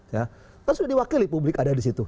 terus sudah diwakili publik ada di situ